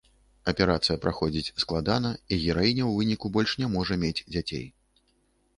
Аперацыя праходзіць складана, і гераіня ў выніку больш не можа мець дзяцей.